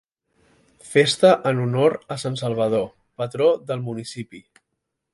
Festa en honor a Sant Salvador, patró del municipi.